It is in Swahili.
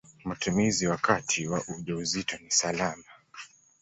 Matumizi wakati wa ujauzito ni salama.